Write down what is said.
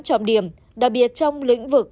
trọng điểm đặc biệt trong lĩnh vực